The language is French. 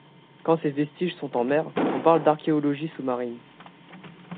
Quand ces vestiges sont en mer, on parle d'archéologie sous-marine.